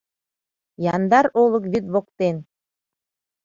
Яндар олык вӱд воктен.